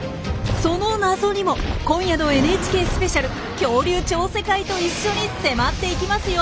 その謎にも今夜の「ＮＨＫスペシャル恐竜超世界」と一緒に迫っていきますよ。